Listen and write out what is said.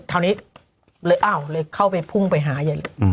คราวนี้เลยอ้าวเลยเข้าไปพุ่งไปหายายเลย